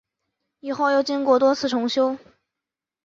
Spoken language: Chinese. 以后又经过多次重修。